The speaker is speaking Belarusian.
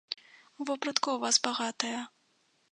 Вопратка ў вас багатая.